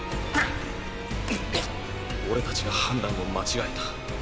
俺たちが判断を間違えた。